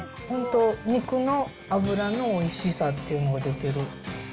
本当、肉の脂のおいしさっていうのが出てる。